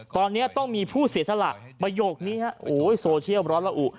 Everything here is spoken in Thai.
ตอนนี้ต้องมีผู้เสียสละประโยคนี้ฮะโอ้ยโซเชียลร้อนละอุ